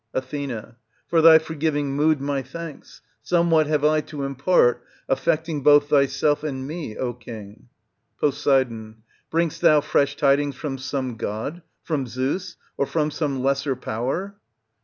Ath. For thy forgiving mood my thanks ! Somewhat have I to impart affecting both thyself and me, O king. Pos. Bringst thou fresh tidings from some god, from Zeus, or from some lesser power?